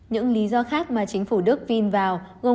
những lý do khác mà chính phủ đức vin vào gồm